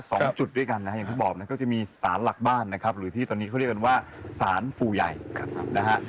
สองจุดด้วยกันนะฮะอย่างที่บอกนะก็จะมีสารหลักบ้านนะครับหรือที่ตอนนี้เขาเรียกกันว่าสารปู่ใหญ่นะฮะ